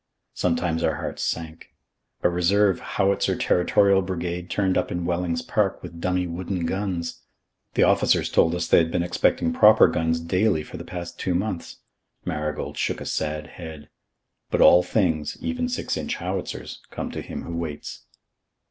Sometimes our hearts sank. A reserve Howitzer Territorial Brigade turned up in Wellings Park with dummy wooden guns. The officers told us that they had been expecting proper guns daily for the past two months. Marigold shook a sad head. But all things, even six inch howitzers, come to him who waits.